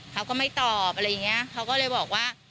เขาก็ไม่ตอบอะไรอย่างนี้เขาก็เลยบอกว่า